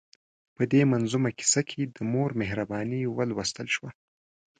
په دې منظومه کیسه کې د مور مهرباني ولوستل شوه.